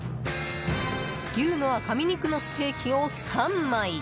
牛の赤身肉のステーキを３枚。